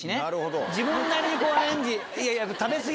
自分なりにこうアレンジ。